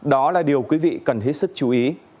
đó là điều quý vị cần hết sức chú ý